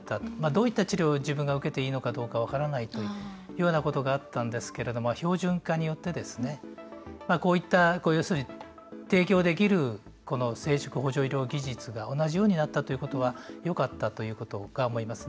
どういった治療を自分が受けていいのかどうか分からないというようなことがあったんですけれど標準化によってこういった、要するに提供できる生殖補助医療技術が同じようになったということはよかったと思います。